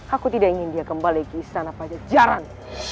aku tidak ingin dia kembali ke istana pajajarang